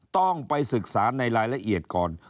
ต้องไปศึกษาในรายละเอียดก่อน